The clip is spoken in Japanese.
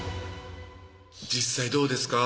実際どうですか？